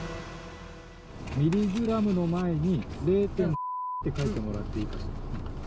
ミリグラムの前に、０．×××って書いてもらっていいかしら。